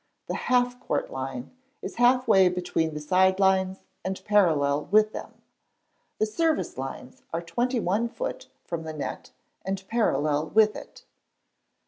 The half court line is halfway between the side lines and parallel with them. The service lines are 21 ft. from the net and parallel with it. ii.